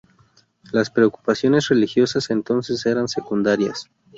Las preocupaciones religiosas, entonces, eran secundarias.